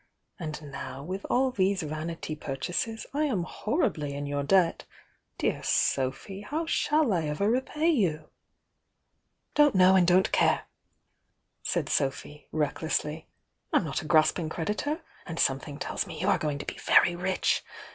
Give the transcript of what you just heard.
And now, with all these vanity purchases, I am horribly in your debt. Dear Sophy, how shall I ever repay vou?" "Don't know and don't care!" laid Sophy, reck lessly. "I'm not a grasping creditor. And something tells me you ave going to be very rich!